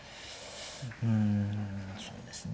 うんそうですね